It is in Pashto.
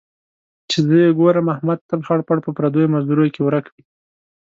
چې زه یې ګورم، احمد تل خړ پړ په پردیو مزدوریو کې ورک وي.